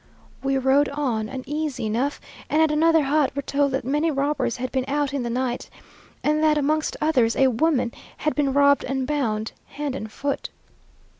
We rode on uneasy enough, and at another hut were told that many robbers had been out in the night, and that amongst others, a woman had been robbed and bound hand and foot.